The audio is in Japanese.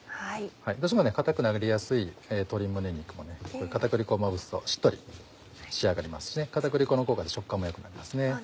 どうしても硬くなりやすい鶏胸肉も片栗粉まぶすとしっとり仕上がりますし片栗粉の効果で食感も良くなります。